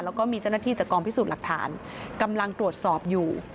แล้วก็มีเจ้าหน้าที่จากกองพิสูจน์หลักฐานกำลังตรวจสอบอยู่